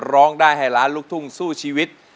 ร้องได้ให้ล้านลูกทุ่งสู้ชีวิต